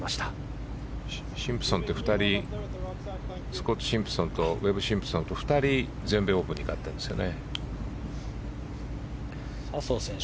シンプソンって、２人スコット・シンプソンとウェブ・シンプソンと２人、全米オープンで勝ってるんですよね。